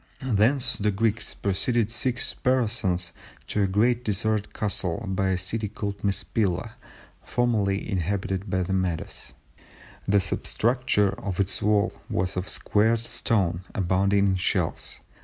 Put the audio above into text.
Thence the Greeks proceeded six parasangs to a great deserted castle by a city called Mespila formerly inhabited by the Medes; the substructure of its wall was of squared stone abounding in shells